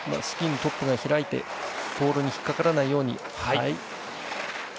スキーのトップが開いてポールに引っかからないように。